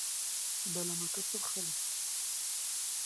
بەلەمەکە پڕ خەڵک بوو.